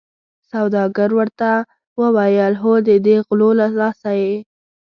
سوداګر ورته وویل هو ددې غلو له لاسه یې.